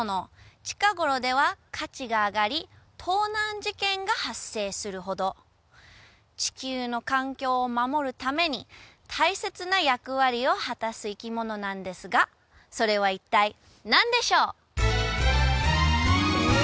近頃では価値が上がり盗難事件が発生するほど地球の環境を守るために大切な役割を果たす生き物なんですがそれは一体何でしょう？